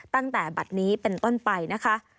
ตั้งแต่บัตรนี้เป็นต้นไปนะคะ